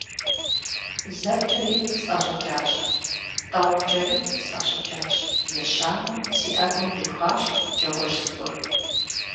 Зэ пкӀэри, сӀэщӀэкӀащ, тӀэу пкӀэри, сӀэщӀэкӀащ, ещанэм си Ӏэгум къихуащ пкӀауэжь цӀыкӀур.